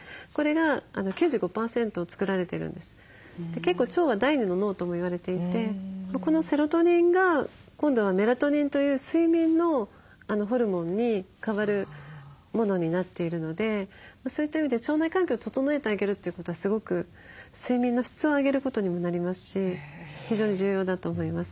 結構腸は第２の脳とも言われていてこのセロトニンが今度はメラトニンという睡眠のホルモンに変わるものになっているのでそういった意味で腸内環境を整えてあげるということはすごく睡眠の質を上げることにもなりますし非常に重要だと思います。